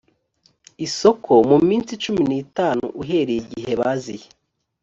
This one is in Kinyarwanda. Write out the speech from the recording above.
isoko mu minsi cumi n itanu uhereye igihe baziye